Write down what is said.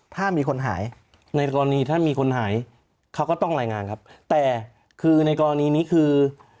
ถ้ามีคนหายในกรณีถ้ามีคนหายเขาก็ต้องรายงานครับแต่คือในกรณีนี้คือ